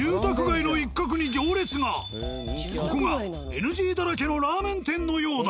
ここがＮＧだらけのラーメン店のようだ。